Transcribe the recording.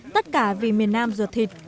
tất cả vì miền nam ruột thịt